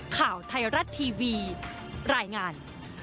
ข่าวไทยรัฐทีวีรายงาน